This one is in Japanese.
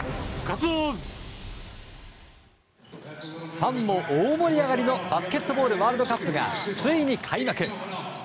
ファンも大盛り上がりのバスケットボールワールドカップがついに開幕。